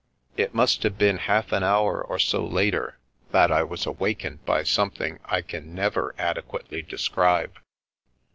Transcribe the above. It must have been half an hour or so later that I was awak ened by something I can never adequately describe.